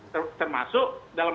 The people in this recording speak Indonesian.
termasuk dalam rangka mendatang